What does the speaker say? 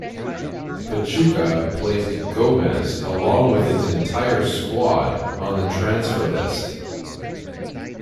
Pachuca placed Gomez, along with its entire squad, on the transfer list.